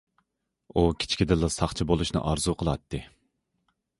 ئۇ كىچىكىدىنلا ساقچى بولۇشنى ئارزۇ قىلاتتى.